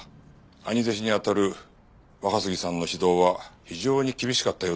兄弟子にあたる若杉さんの指導は非常に厳しかったようですね。